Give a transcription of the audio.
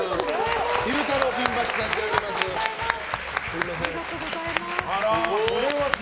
昼太郎ピンバッジ差し上げます。